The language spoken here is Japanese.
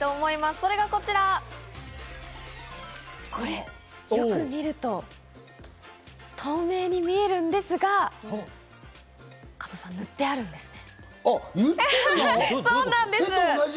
それがこちらこれ、よく見ると透明に見えるんですが、加藤さん、塗ってあるんですね。